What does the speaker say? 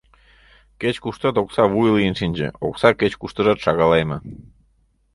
Кеч-куштат окса вуй лийын шинче, окса кеч-куштыжат шагалеме.